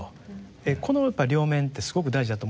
このやっぱり両面ってすごく大事だと思うんですよ。